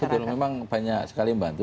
betul memang banyak sekali membantu